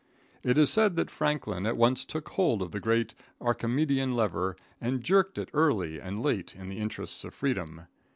It is said that Franklin at once took hold of the great Archimedean lever, and jerked it early and late in the interests of freedom.